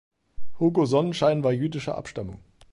Hugo Sonnenschein war jüdischer Abstammung.